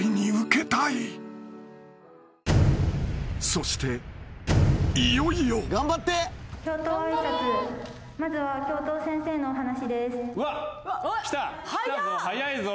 ［そしていよいよ］きたぞ。